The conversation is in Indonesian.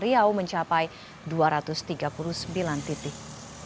riau mencapai dua ratus tiga puluh sembilan titik